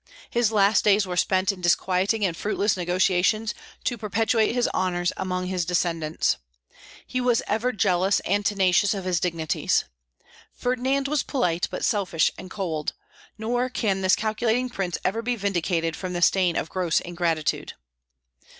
His last days were spent in disquieting and fruitless negotiations to perpetuate his honors among his descendants. He was ever jealous and tenacious of his dignities. Ferdinand was polite, but selfish and cold; nor can this calculating prince ever be vindicated from the stain of gross ingratitude.